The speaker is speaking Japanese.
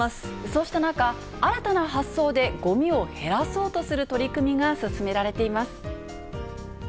そうした中、新たな発想でごみを減らそうとする取り組みが進められています。